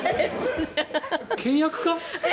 倹約家？